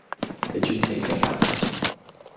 你轉死性呀